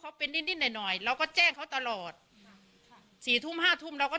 เขาเป็นนิดหน่อยเราก็แจ้งเขาตลอดสี่ทุ่มห้าทุ่มเราก็